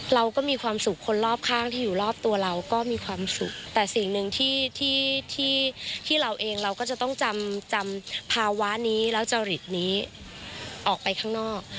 เราก็มีความสุขคนรอบข้างที่อยู่รอบตัวเราก็มีความสุขแต่สิ่งหนึ่งที่ที่เราเองเราก็จะต้องจำภาวะนี้แล้วจริตนี้ออกไปข้างนอก